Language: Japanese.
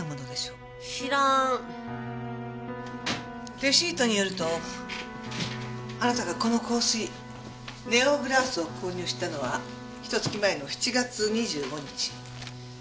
レシートによるとあなたがこの香水ネオ・グラースを購入したのはひと月前の７月２５日。